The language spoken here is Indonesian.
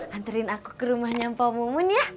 anterin aku ke rumahnya pak mumun ya